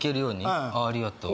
ああありがとう